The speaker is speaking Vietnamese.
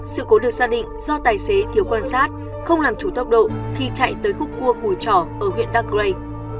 sự cố được xác định do tài xế thiếu quan sát không làm chủ tốc độ khi chạy tới khúc cua cùi trỏ ở huyện đắk rây